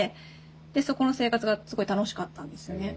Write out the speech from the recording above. でそこの生活がすごい楽しかったんですよね。